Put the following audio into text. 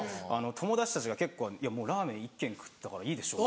友達たちが結構「もうラーメン１軒食ったからいいでしょ」。